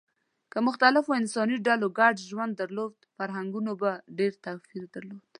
که مختلفو انساني ډلو ګډ ژوند درلود، فرهنګونو به ډېر توپیر درلود.